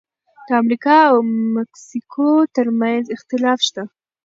د امریکا او مکسیکو ترمنځ اختلاف شته.